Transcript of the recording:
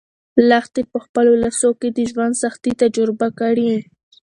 لښتې په خپلو لاسو کې د ژوند سختۍ تجربه کړې.